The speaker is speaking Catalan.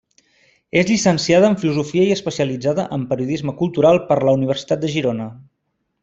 És llicenciada en Filosofia i especialitzada en Periodisme Cultural per la Universitat de Girona.